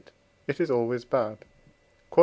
it is always bad. Q.E.